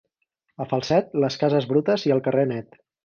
A Falset, les cases brutes i el carrer net.